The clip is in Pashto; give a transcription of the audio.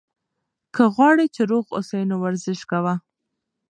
که غواړې چې روغ اوسې، نو ورزش کوه.